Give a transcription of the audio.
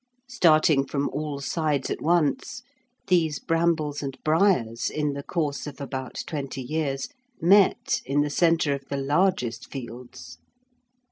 Starting from all sides at once, these brambles and briars in the course of about twenty years met in the centre of the largest fields.